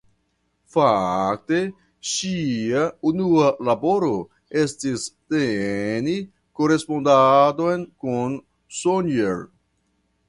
Fakte ŝia unua laboro estis teni korespondadon kun Sonnier.